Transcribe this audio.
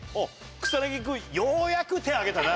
草薙君ようやく手挙げたな。